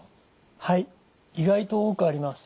はい意外と多くあります。